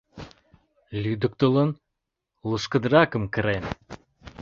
Лӱдыктылын, лушкыдыракым кырен.